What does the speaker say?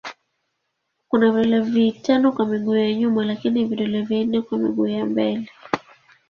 Kuna vidole vitano kwa miguu ya nyuma lakini vidole vinne kwa miguu ya mbele.